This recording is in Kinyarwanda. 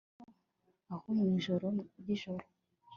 bito aho, mwijoro ryijoro